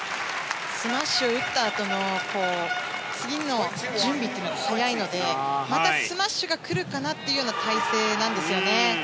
スマッシュを打ったあとの次の準備が早いのでまたスマッシュが来るかなというような体勢なんですよね。